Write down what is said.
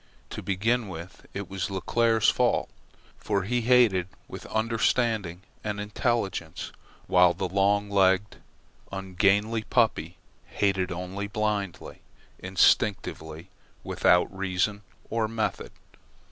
To begin with, it was Leclere's fault, for he hated with understanding and intelligence, while the long legged, ungainly puppy hated only blindly, instinctively, without reason or method.